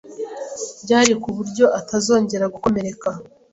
ryari kuburyo atazongera gukomereka